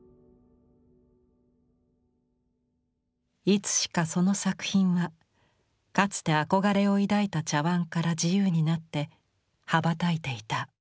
いつしかその作品はかつて憧れを抱いた茶碗から自由になって羽ばたいていた。